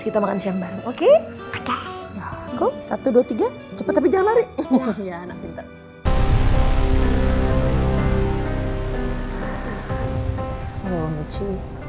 kita makan siang baru oke oke go satu ratus dua puluh tiga cepet tapi jangan lari